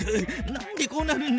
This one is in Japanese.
なんでこうなるんだ？